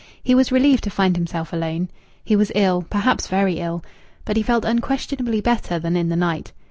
He was relieved to find himself alone. He was ill, perhaps very ill, but he felt unquestionably better than in the night.